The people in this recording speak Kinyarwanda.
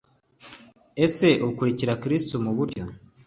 ese ukurikira kristo mu buryo